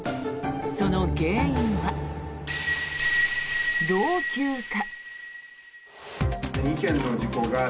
その原因は、老朽化。